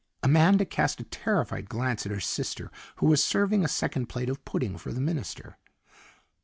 Amanda cast a terrified glance at her sister, who was serving a second plate of pudding for the minister.